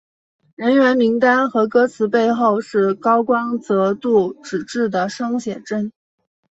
人员名单和歌词背后是高光泽度纸质的生写真。